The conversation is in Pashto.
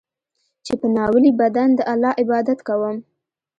چې په ناولي بدن د الله عبادت کوم.